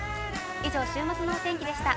以上、週末のお天気でした。